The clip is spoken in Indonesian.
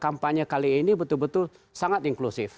kampanye kali ini betul betul sangat inklusif